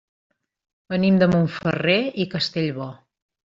Venim de Montferrer i Castellbò.